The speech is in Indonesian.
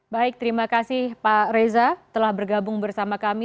baik terima kasih pak reza telah bergabung bersama kami